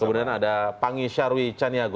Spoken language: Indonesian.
kemudian ada pangisarwi cajet